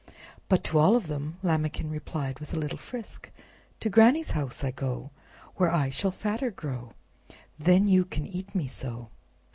But to all of them Lambikin replied, with a little frisk: "To Granny's house I go, Where I shall fatter grow, Then you can eat me so.